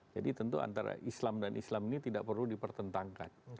jadi tentu antara islam dan islam ini tidak perlu dipertentangkan